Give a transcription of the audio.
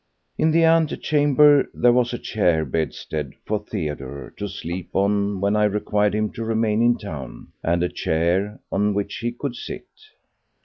In the antechamber there was a chair bedstead for Theodore to sleep on when I required him to remain in town, and a chair on which he could sit.